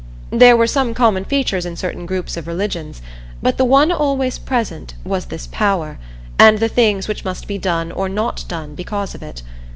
There were some common features in certain groups of religions, but the one always present was this Power, and the things which must be done or not done because of it.